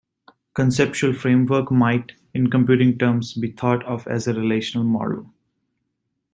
A conceptual framework might, in computing terms, be thought of as a relational model.